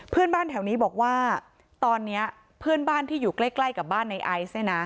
เพื่อนบ้านแถวนี้บอกว่าตอนนี้เพื่อนบ้านที่อยู่ใกล้กับบ้านในไอซ์เนี่ยนะ